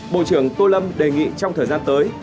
bộ trưởng tô lâm đề nghị trong thời gian tới